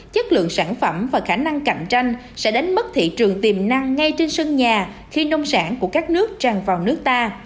chất lượng sản phẩm và khả năng cạnh tranh sẽ đánh mất thị trường tiềm năng ngay trên sân nhà khi nông sản của các nước tràn vào nước ta